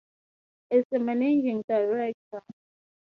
Touhiduzzaman is the managing director.